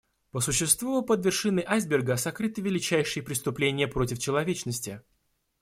По существу, под вершиной айсберга сокрыты величайшие преступления против человечности.